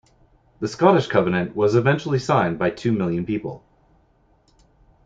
The Scottish Covenant "was eventually signed by two million people".